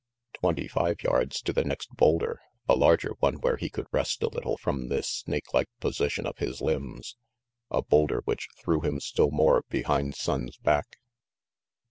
Twenty five yards to the next boulder, a larger one where he could rest a little from this snakelike position of his limbs, a boulder which threw him still more behind Sonnes' back.